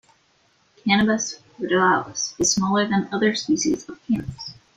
"Cannabis ruderalis" is smaller than other species of "Cannabis.